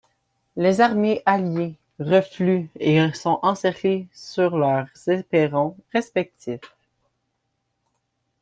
Les armées alliées refluent et sont encerclées sur leurs éperons respectifs.